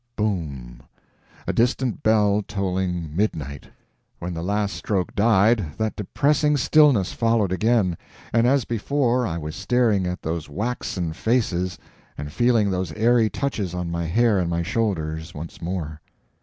—boom!"—a distant bell tolling midnight. When the last stroke died, that depressing stillness followed again, and as before I was staring at those waxen faces and feeling those airy touches on my hair and my shoulders once more.